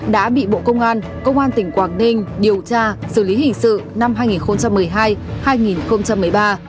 đã bị bộ công an công an tỉnh quảng ninh điều tra xử lý hình sự năm hai nghìn một mươi hai hai nghìn một mươi ba